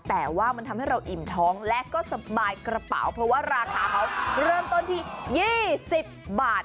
แต่ว่ามันทำให้เราอิ่มท้องและก็สบายกระเป๋าเพราะว่าราคาเขาเริ่มต้นที่๒๐บาท